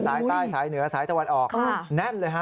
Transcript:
สายใต้สายเหนือสายตะวันออกแน่นเลยฮะ